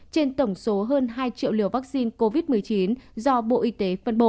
trên tổng số hơn hai triệu liều vaccine covid một mươi chín do bộ y tế phân bổ